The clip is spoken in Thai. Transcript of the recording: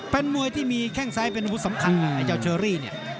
เป็นมวยที่มีแข้งซ้ายเป็นอาวุธสำคัญไอ้เจ้าเชอรี่เนี่ย